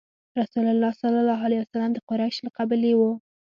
رسول الله ﷺ د قریش له قبیلې وو.